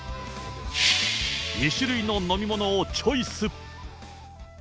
２種類の飲み物をチョイス。